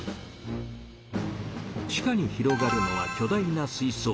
地下に広がるのは巨大な水槽。